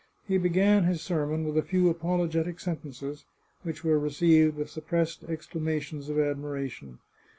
He began his sermon with a few apologetic sentences, which were received with suppressed exclamations of admiration.